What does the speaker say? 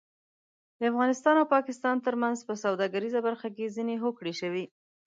د افغانستان او پاکستان ترمنځ په سوداګریزه برخه کې ځینې هوکړې شوې